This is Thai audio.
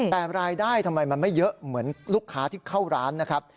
แต่รายได้ทำไมมันไม่เยอะเหมือนลูกค้าที่เข้าร้านนะครับ